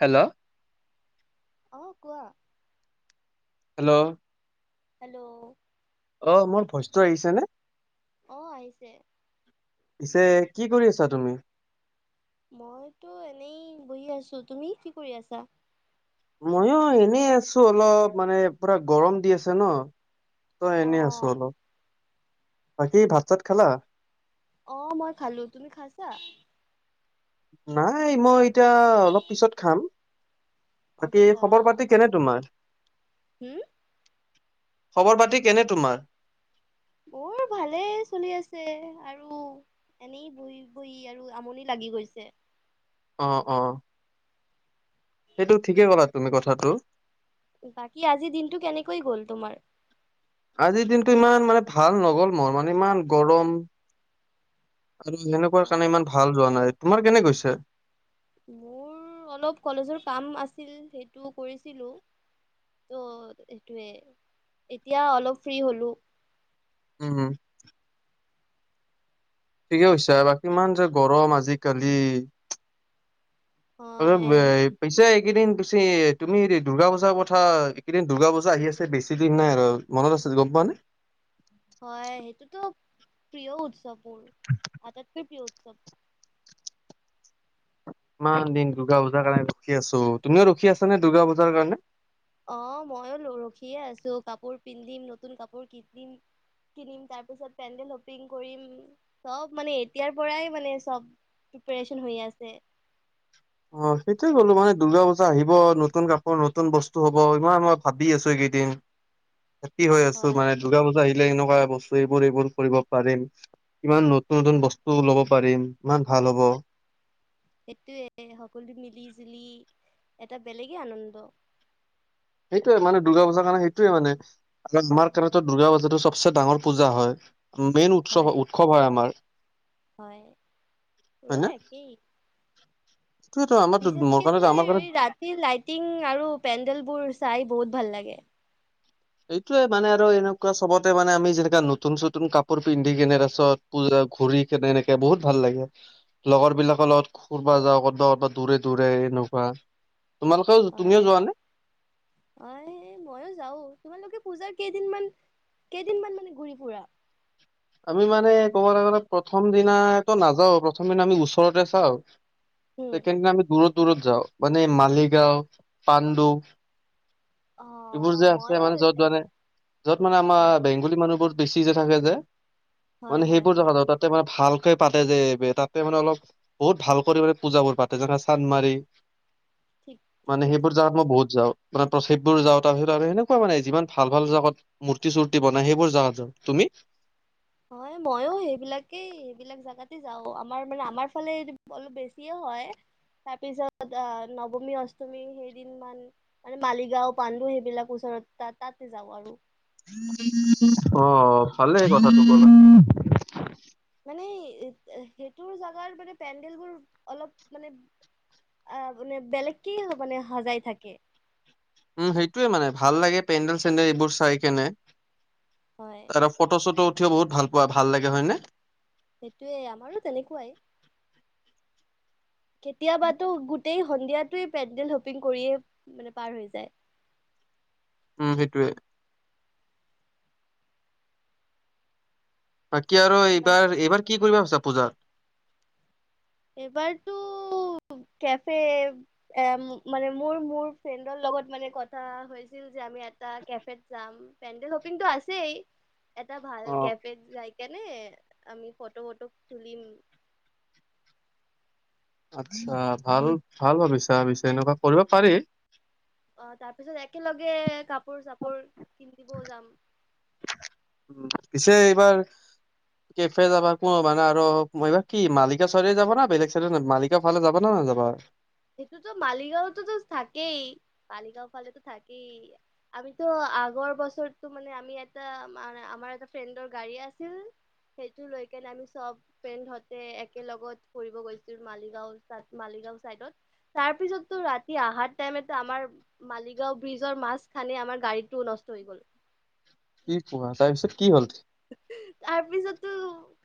Hello অ কোৱা hello hello অ মোৰ ভইচটো আহিছে নে অহ আহিছে পিছে কি কৰি আছা তুমি মইতো এনেই বহি আছো তুমি কি কৰি আছা ময়ো এনেই আছো অলপ মানে পুৰা গৰম দি আছে ন তই অ এনে আছো অলপ বাকী ভাত চাত খালা অ মই খালো তুমি খাইছা নাই মই এতিয়া অলপ পিছত খাম বাকী খবৰ পাতি কেনে তোমাৰ হম খবৰ পাতি কেনে তোমাৰ বৰ ভালেই চলি আছে আৰু এনেই বহি বহি আৰু আমনি লাগি গৈছে অ অ সেইটো ঠিকে ক'লা তুমি কথাটো বাকী আজিৰ দিনটো কেনেকৈ গ'ল তোমাৰ আজিৰ দিনটো ইমান মানে ভাল নগ'ল মোৰ মানে ইমান গৰম আৰু অ সেনেকুৱা কাৰণে ইমান ভাল যোৱা নাই তোমাৰ কেনে কৈছে মোৰ অলপ কলেজৰ কাম আছিল সেইটো কৰিছিলো ত' সেইটোৱে এতিয়া অলপ ফ্ৰী হলো উম ঠিকে কৈছ বাকী ইমান যে গৰম আজিকালি ম হয় পইচা এক এইকেইদিন বেছি তুমি দুৰ্গা পূজাৰ কথা এইকেইদিন দুৰ্গা পূজা আহি আছে বেছি দিন নাই আৰু মনত আছে গম পোৱা নে হয় সেইটোতো প্ৰিয় উৎসৱ মোৰ আটাইতকৈ প্ৰিয় উৎসৱ ইমান দিন দুৰ্গা পূজাৰ কাৰণে ৰখি আছো তুমিও ৰখি আছা নে দুৰ্গা পূজাৰ কাৰণে অ ময়ো ৰখিয়ে আছো কাপোৰ পিন্ধিম নতুন কাপোৰ কিনিম কিনিম তাৰ পিছত পেণ্ডেল হপিং কৰিম চব মানে এতিয়াৰ পৰাই মানে চব প্ৰিপাৰেচন হৈ আছে অ সেইটোয়ে গ'লো মানে দুৰ্গা পূজা আহিব নতুন কাপোৰ নতুন বস্তু হব ইমান মই ভাবি আছো তি হৈ আছো হয় মানে দুৰ্গা পূজা আহিলে এনেকোৱা বস্তু এইবোৰ এইবোৰ কৰিব পাৰিম ইমান নতুন নতুন বস্তু লব পাৰিম ইমান ভাল হ'ব [inaudible] সেইটোয়ে সকলো মিলি জুলি এটা বেলেগে আনন্দ সেইটোৱে মানে দুৰ্গা পূজাৰ কাৰণে সেইটোৱে মানে আমাৰ কাৰণ দুৰ্গা পূজাটো চবচে ডাঙৰ পূজা হয় মেইন হয় উৎসৱ উৎসৱ হয় আমাৰ হয় হয় নে ৰোৱে কি সেইটোয়েতো আমাৰ মোৰ বিশষকো কাৰণে আমাৰ কাৰণে ৰাতি লাইটিং আৰু পেণ্ডেল বোৰ চাই বহুত ভাল লাগে এইটোয়ে মানে আৰু এনেকুৱা চবতে মানে আমি যেনো নতুন চতুন কাপোৰ পিন্ধি কিনে তছত পজা [unintelligible] ঘুৰি কেনে এনেকে বহুত ভাল লাগে লগৰ বিলাকৰ লগত কবা যাওঁ কৰ'বা ক'ব দূৰে দূৰে নোহোৱা তোমালোকে হয় তুমিও যোৱা নে হয় মইয়ো যাও তোমালোকে পূজাৰ কেইদিনান কেইদিন মান মানে ঘূৰি ফুৰা আমি মানে ক'বলৈ গ'লে প্ৰথম দিনাটো নাযাও প্ৰথম দিনা আমি ওচৰতে চাও উম সেইকাৰে আমি দূৰত দূৰত যাওঁ মানে মালিগাঁও পাণ্ডু অ এইবোৰ যে আছে মইয়ো মানে য'ত মানে য'ত মানে আমাৰ হয় বেংগলী মানুহবোৰ বেছি যে থাকে যে হয় মানে হয় সেইবোৰ জা হয় যা তাতে মানে ভাল [unintelligible] পাতে যে তাতে মানে অলপ বহুত ভাল কৰি মানে পূজাবোৰ পাতে যেনে চান্দ মাৰি ঠিক ঠিক মানে সেইবোৰ কৈছা যাৱাত মই বহুত যাওঁ মানে প্ৰথেপবোৰ যাওঁ তাৰপিছত আৰু সনেকুৱা মানে যিমান ভাল ভাল জাগাত মূৰ্তি চূতি বনাই সেইবোৰ জাগাত যাওঁ তুমি [unintelligible] [inaudible] হয় মইও সেইবিলাকেই সেইবিলাক জাগাতে যাও আমাৰ মানে আমাৰ ফালে অলপ বেছিয়ে হয় তাৰ পিছত আহ নৱমী অষ্টমী সেইদিন মান মানে মালিগাঁও পাণ্ডু সেইবিলাক ওচৰত তাতে যাওঁ আৰু অ ভালে কথাটো ক'ল মানে [inaudible] সেইটোৰ জেগাৰ মানে পেডেল বোৰ অলপ মানে আহ মানে বেলেগক মানে সাজাই থাকে উম সেইটোৱে মানে ভাল লাগে পেণ্ডেল চেণ্ডেল এইবোৰ চাই কেনে হয় তাৰপৰা ফটো চটো উঠিও বহুত ভাল পোৱা ভাল লাগে হয়নে সেইটোয়ে আমাৰো তেনেকুৱাই কেতিয়াবাতো গোটেই সন্ধিয়াতে পেণ্ডেল হপিং কৰিয়ে মানে পাৰ হৈ যায় [unintelligible] [inaudible] সেইটোৱে বাকি আৰু বা এইবাৰ এইবাৰ কি কৰিব ভাবিছা পূজাত [unintelligible] এবাৰতো কে এ মানে মোৰ মোৰ ফ্ৰেডৰ লগত মানে কথা হৈছিল। আমি এটা কেফ যাম পেণ্ডেল শপিংটো আছেই। এটা ভাল অ কেফে জায়কা নে আমি ফটো ট তুলিম আচ্ছা ভাল ভাল ভাবিছা ভাবিছে এনেকুৱা কৰিব পাৰি অ তাৰ পিছত একেলগে কাপোৰ চাপোৰ কিনিবও যাম উ পিছে এইবাৰ কেফে যাবা কোনো মানে আৰু এইবা কি মালিকা চ যাব না বেলেগ চ মালিকাৰ ফালে যাব নয় যাবা সেইটোতো মালিগাঁওতোতো থাকেই মালিগাঁও ফালেতো থাকেই আমিতিতো আগৰ বছৰতো মানে আমি এটা আমাৰ এটা ফ্ৰেণ্ডৰ গাড়ী আছিল সেইটো লৈ কেনে আমি চব ফ্ৰেড হতে একেল লগগত ফুৰিব গৈছিলো মালিগাঁও ত মাল চাইডত তাৰপিছতো ৰাতি অহা টাইমো আমাৰ মালিগাও ব্ৰিজৰ মাছখান আমাৰ গাড়ীতো নষ্ট হৈ গলো কি কোৱা তাৰ পিছেত তাৰপিছতো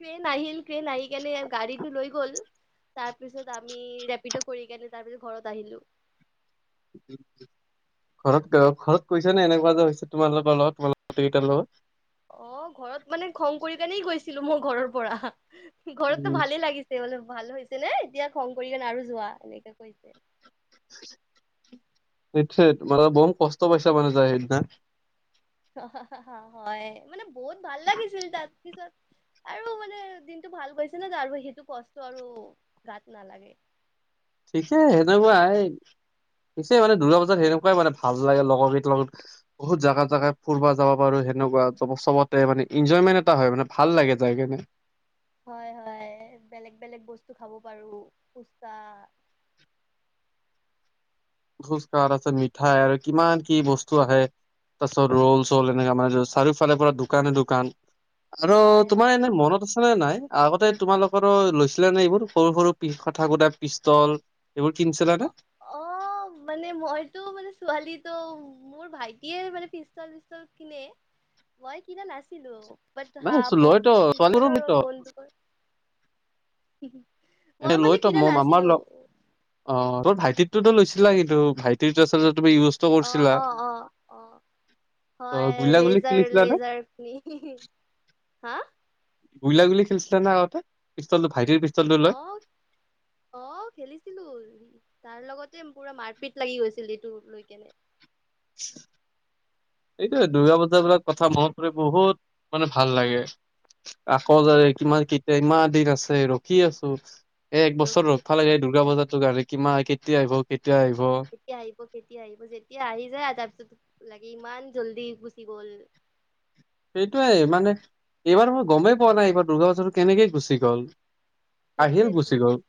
ট্ৰেইন আহিল ট্ৰেইন আহি কেনে গাড়ীটো লৈ গ'ল তাৰ পিছত আমি ৰেপিড কৰি কেনে তাৰপিছত ঘৰত আহিলো উম ঘৰত ঘৰত কৈছে নে এনেকুৱা যে হৈছে তোমাল লগোকৰ লগত তোমাৰ লগ কেইটাৰ লগত অঁ ঘৰত মানে খং কৰি কাৰণেই গৈছিলো মই ঘৰৰ পৰা ঘৰততো উম ভালে লাগিছে বললে ভাল হৈছে নে এতিয়া খং কৰি কে আৰু যোৱা এনেকে কৈছে [unintelligible] নিশ্চয় মানে বৰু কষ্ট পাইছা মানে যায় সেইদিনা। হয় মানে বহুত ভাল লাগিছিল তাৰ পিছত। [unintelligible] মানে দিনটো ভাল কৰিছে ন তাৰ সেইটো কষ্ট আৰু গাত নালাগে? ঠিকে হে ন বাই পিছে মানে দুৰ্গা পূজাত সেনেকুৱাই মানে ভাল লাগে লগৰ লগত বহুত জাগা জাগাই ফুুৰবা যাব পাৰো। সেনেকুৱা চবতে মানে এনজয়মেণ্ট এটা হয় মানে ভাল লাগে যায় কিনে। হয় হয় বেলেগ বেলেগ বস্তু খাব পাৰো পুচা। [unintelligible] খোজ আছে মিঠাই আৰু কিমান কি বস্তু আহে। তাৰপিছত ৰল চল এনেকা মানে চাৰিওফালে পৰা দোকানে দোকান। আৰু হয় তোমাৰ হয় এনে মনত আছে আে নাই আগতে তোমালোকৰ লৈছিলে নে এইবোৰ সৰু সৰুি কথাকুটা পিষ্টল। এইবোৰ কিনিছিলো নে। অ মানে মইতো মানে ছোৱালী তো মোৰ ভাইটিয়ে মানে পিষ্টল পিষ্টল কিনে। মই কিনা নছিলো। বাট হা নাই লয়তো ছোৱালীবোৰো পিছালৰ লয়তো বন্দুকৰ এ লৈতো মম আমাৰ লগ অঁ। ভাইটিতটোতো লৈছিলা কিন্তু ভাইটিৰ তাৰ তুমি ইউজটো অ কৰিছিলা? অ অ অ ত হয় গুলা গুলি লেজাৰ খেলিছিলা নে লেজাৰ হাঁ গুলিয়া গুলি খেলিছিলে নে আগতে পিছ। আহ আহ খেলিছিলো? তাৰ লগতে পুৰা মাৰপিট লাগি গৈছিল এইটো লৈ কেনে। [unintelligible] এইটোয়ে দূৰ্গা পূজাবিলাক কথা মন কৰি বহুত মানে ভাল লাগে। আকৌ যাৰে হয় কিমান কেতিয়া ইমান দিন আছে ৰখি আছো। এ এক বছৰ ৰখি ভালে আছো এই দ দুৰ্গা পজা ৰ কাৰণে কিা কেতিয়া আহিব কেয়া। কেতিয়া আহিব কেতিয়া আহিব যেতিয়া আহি যায় তাৰপিছত? লাগে ইমান জল্দি গুচি গল। সেইটোয়ে মানে এইবাৰ মই গমেই পোৱা নাই এইবাৰ দুৰ্গা পূজাটো কেনেকে গুচি গ'ল। আহিল সেইটোয়েতো গুচি গ'ল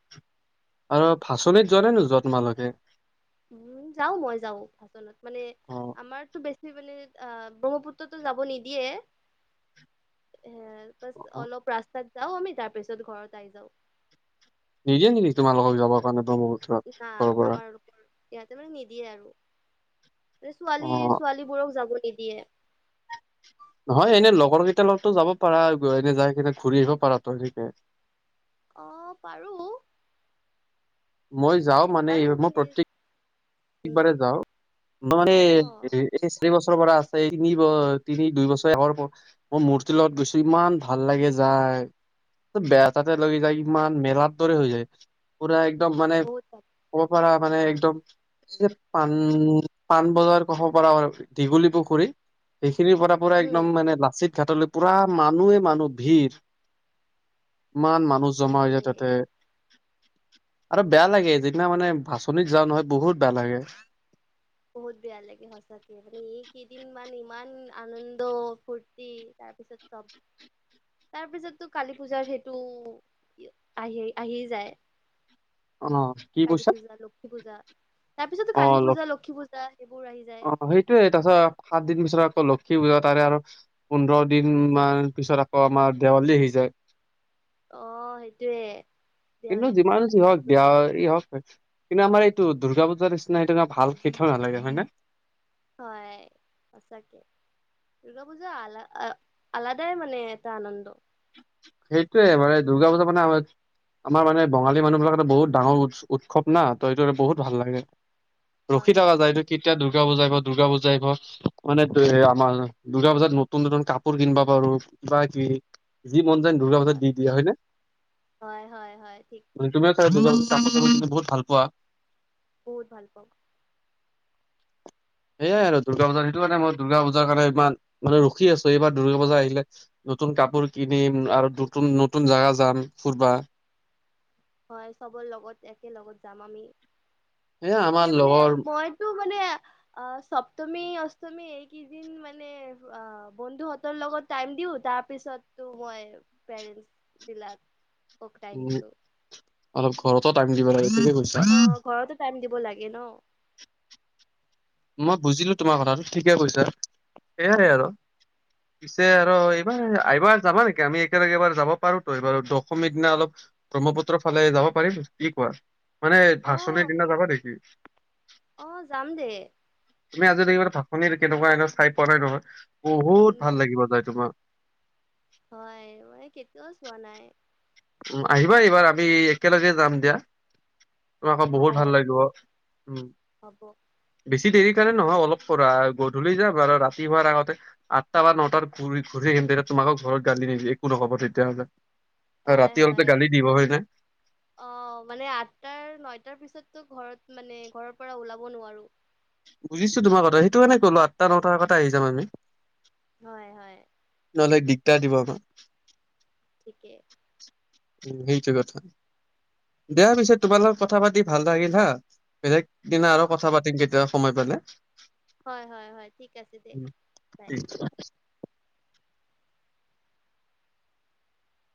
আৰু ভাচনীত যোৱা নে নোযোৱা তোমালোকে? উম যাও মই যাও ভাচনীত মানে অ আমাৰতো বেছি। মানে অহ ব্ৰহ্মপুত্ৰতো যাব নিদিয়ে। হ প অ অলপ ৰাস্তাত যাওঁ আমি তাৰপিছত ঘৰত আহ যাও। নিদিয়ে নেকি তোমাৰ লগত যাবৰ কাৰণে ব্ৰহ্মপুত্ৰত ঘৰৰ পৰা। ইহতে মানে নিদিয়ে আৰু মান ছোৱালী অ ছোৱালীবোৰক যাব। নিদিয়ে। হয়হ এনে লগৰ কেইটাৰ লগতো যাব পাৰা এনে যাই কেই ঘূৰি আহিব পাৰা তো সেনেকে। আহ পাৰো। মই যাওঁ মানে এই মোৰ প্ৰতেক। উম একবাৰে যাও মে অ এই শ। বৰ পৰা আছে তিনি তিনি দুই বছৰ আগৰ মই মূৰ্তিৰ লগত গৈছো ইমান ভাল লাগে যা। বেয়া তাতে লি যায় ইমান মেলাৰ দৰে হৈ যায় পুৰা। একদম মানে বহুত ক'ব পৰা মানে অ একদম। এই যে পাণ পাণবজাৰ কব পাৰ দীঘুলী পুখুৰী সিন। খিনিৰ পৰা পুৰা একদম হম মানে লাচিত ঘাটলৈ পুৰা মানুহে মানুহ ভিৰ। ইমান মানুহ বাপৰে জমা হৈ যায় তাতে। আৰু বেয়া লাগে যিদিনা মানে বাছনত যাওঁ নহয় বহুত বেয়া লাগে। বহুত বেয়া লাগে সঁচাকে মানে এই কেইদিন মান ইমান আনন্দ ফূুৰ্তি। তাৰপিছত চব। তাৰপিছতো কালী পূজাৰ সেইটো আহি আহি যায়। অহ কি কালী কৈছা। পূজা লক্ষী পূজা তাৰ পিছতো কালী পূজা লক্ষী পূজা সেইবোৰ আহি যায় অলপ অ সেইটোয়ে তাৰছত সাত দিন পিছত আকৌ লক্ষী পূজা তাৰে আৰু পোন্ধৰ দিন মান পিছত আকৌ আমাৰ দেৱালী আহি যায়। অ সেইটোৱে কিন্তু দেৱালী যিমান যি আ হওক দেৱালী হওক কিন্তু আমাৰ এইটো দুৰ্গা পূজাৰ নিচিনা এনেকা ভাল সিঠা নালাগে হয়ে ন। হয় সঁচাকে। দুৰ্গা পূজা আল আলাদাই মানে এটা আনন্দ। সেইটোয়ে মানে দুৰ্গা পূজা মানে আমাৰ আমাৰ মানে বঙালী মানুহ বিলাকেটো বহুত ডাঙৰ উ উৎসৱ না ত এইটো বহুত ভাল লাগে। হয় ৰখি থকা যায় হয় এইটো কেতিয়া দুৰ্গা পূজা দুৰ্গা পূজা মানে আমাৰ দ দুৰ্গা পূজাত নতুন নতুন কাপোৰ কিনবা পাৰো বা যি যি মন যায় দুৰ্গা পূজাত হয় দি দিয়ে হয়নে হয় হয় হয় ঠিক মানে ঠিক তুমি চাগে কাপোৰ লব বহুত ভাল পোৱা। বহুত ভাল পাওঁ। সেয়াই আৰু দুৰ্গা পূজা সেইটো কাৰণে মই দুৰ্গা পূজাৰ কাৰণে ইমান মানে ৰখি আছো এইবাৰ দুৰ্গা পূজা আহিলে নতুন কাপোৰ কিনিম আৰু নতুন নতুন জাগা যাম ফুুৰবা। হয় চবৰ লগত একে লগত যাম আমি এয়া আমাৰ তেতিয়া মানে লগৰ মইতো মানে [unintelligible] অ চপ্তমী অষ্টমী এইকেইদিন মানে অ বন্ধুহতৰ লগত টাইম দিও। তাৰ পিছতো মই পেৰেণ্ট বিলাকক‌ টাইম উম দিও। অলপ ঘৰতো টাইম দিব লাগে। ঠিকে কৈছা। অ ঘৰতো টাইম দিব লাগে ন। মই বুজিলো তোমাৰ কথাটো ঠিকে কৈছা সেইয়াই আৰু। পিছে আৰু এইবাৰ এইবাৰ যাবা নেকি আমি একেলগে এইবাৰ যাব পাৰোতো এইবাৰ দশমীৰ দিনা অলপ ব্ৰহ্মপুত্ৰৰ ফালে যাব পাৰি কি কোৱা? মানে অ ভাচনিৰ দিনা যাবা নেকি? অ যাম দে তুমি আজি ভাত পানী কেনেকুৱা এনে চাই পোৱা নাই নহয় বহুত উম ভাল লাগিব যায় তোমাৰ। হয় মই কেতিয়াওঁ ছোৱা নাই। উ আহিবা এইবাৰ আমি একেলগে যাম দিয়া। ত আকৌ হ'ব বহুত ভাল হ'ব লাগিব উ হ'ব বেছি দেৰি সেইকাৰণে নহয় অলপ গধূলি যাম আৰু ৰাতি হোৱাৰ আগতে আঠটা বা নটাত ঘূৰি আহিম তেতি মাকক ঘৰত গালি নিদি একো নহ'ব তেতিয়াহ'লে। আৰু হয় ৰাতি হ'লেতো হয় গালি দিব হয় নে অ মানে আঠটাৰ নয়টাৰ পিছত তো ঘৰত মানে ঘৰৰ পৰা ওলাব নোৱাৰো। বুজিছো তোমাৰ কথা সেইটো কাৰনে ক'লো আঠটা- নটাৰ আগতে আহি যাম আমি। হয় হয়। নহলে দিগদাৰ দিব আমাক থিকে। উ সেইটো কথা। দিয়া পিছে তোমাৰ লগত কথা পাতি ভাল লাগিল হা বেলেগ দিনা অ আৰু কথা পাতিম কেতিয়াবা সময় পালে। হয় হয় হয় ঠিক আছে দে উম, বাই। ঠিক